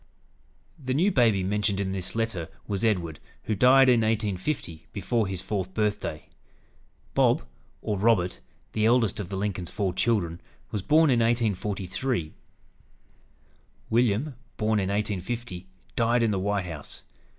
The new baby mentioned in this letter was Edward, who died in 1850, before his fourth birthday. "Bob," or Robert, the eldest of the Lincoln's four children, was born in 1843. William, born in 1850, died in the White House.